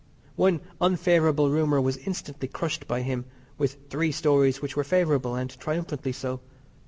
One unfavourable rumour was instantly crushed by him with three stories which were favourable and triumphantly so.